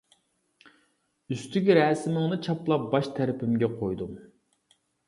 ئۈستىگە رەسىمىڭنى چاپلاپ باش تەرىپىمگە قويدۇم.